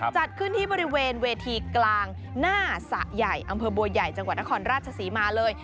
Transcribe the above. จัดขึ้นที่บริเวณเวทีกลางหน้าสระใหญ่อำเภอบัวใหญ่จังหวัดนครราชศรีมาเลย